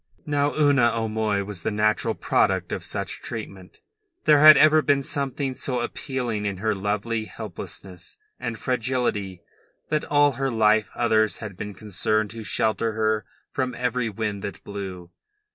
Now Una O'Moy was the natural product of such treatment. There had ever been something so appealing in her lovely helplessness and fragility that all her life others had been concerned to shelter her from every wind that blew.